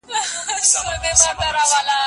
سازمانونه چیري د اقلیتونو حقونه لټوي؟